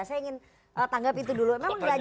saya ingin tanggap itu dulu